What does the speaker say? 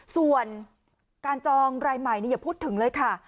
ส่วนการจองรายใหม่อย่าพูดถึงเลยค่ะ